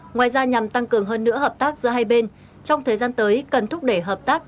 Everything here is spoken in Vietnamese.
ngoài ra nhằm tăng cường hơn nữa hợp tác giữa hai bên trong thời gian tới cần thúc đẩy hợp tác